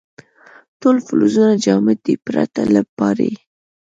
ټول فلزونه جامد دي پرته له پارې.